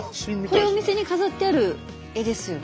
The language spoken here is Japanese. これお店に飾ってある絵ですよね。